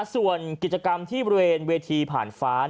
ส่วนกิจกรรมที่บริเวณเวทีผ่านฟ้า